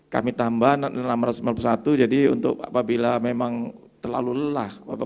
kami tambah enam ratus lima puluh satu jadi untuk apabila memang terlalu lelah